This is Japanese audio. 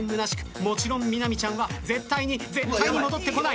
もちろんみなみちゃんは絶対に絶対に戻ってこない。